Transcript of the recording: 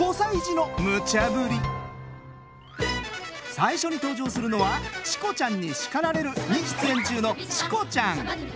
最初に登場するのは「チコちゃんに叱られる」に出演中のチコちゃん。